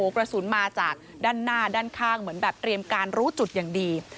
กระสุนมาจากด้านหน้าด้านข้างเหมือนแบบเตรียมการรู้จุดอย่างดี